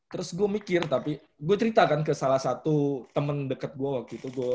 terus gue mikir tapi gue cerita kan ke salah satu temen deket gue waktu itu gue